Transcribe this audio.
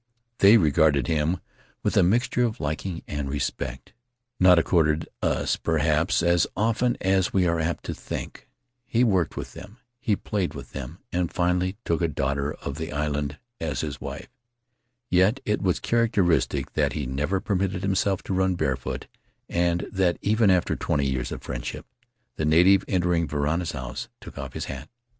They regarded him with a mixture of liking and respect, not accorded us, perhaps, as often as we are apt to think; he worked with them, he played with them, and finally took a daughter of the island as his wife — yet it was charac teristic that he never permitted himself to run barefoot and that even after twenty years of friendship the native entering Varana's house took off his hat.